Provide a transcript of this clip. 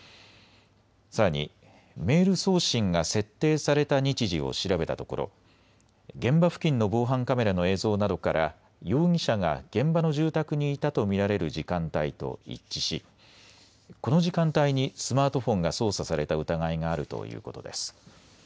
さらにメール送信が設定された日時を調べたところ現場付近の防犯カメラの映像などから容疑者が現場の住宅にいたと見られる時間帯と一致しこの時間帯にスマートフォンが操作された疑いがあるということです。